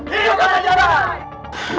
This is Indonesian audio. hidup panjang jalan